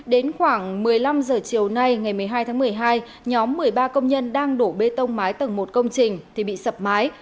đến khoảng một mươi năm h chiều nay ngày một mươi hai tháng một mươi hai nhóm một mươi ba công nhân đang đổ bê tông mái tầng một công trình thì bị sập mái